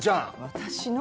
私の？